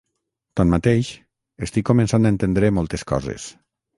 Tanmateix, estic començant a entendre moltes coses.